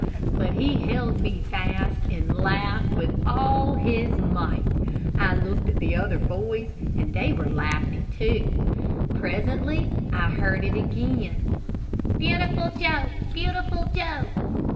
But he held me fast, and laughed with all his might, I looked at the other boys and they were laughing, too. Presently, I heard again, "Beautiful Joe, Beautiful Joe."